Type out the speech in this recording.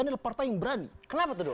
adalah partai yang berani